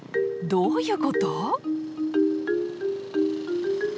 どういうこと？